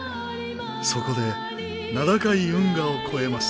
そこで名高い運河を越えます。